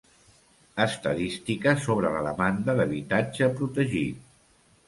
Estadística sobre la demanda d'habitatge protegit.